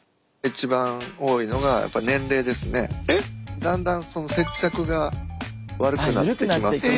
だんだんその接着が悪くなってきますので。